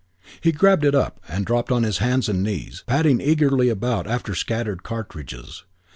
He grabbed it up and dropped on his hands and knees, padding eagerly about after scattered cartridges.